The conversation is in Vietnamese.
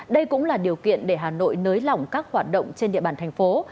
đây cũng là điều kiện để hà nội nới lỏng các hoạt động trên địa bàn thành phố